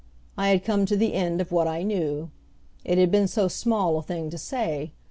I had come to the end of what I knew. It had been so small a thing to say!